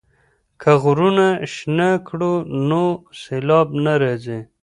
که غرونه شنه کړو نو سیلاب نه راځي.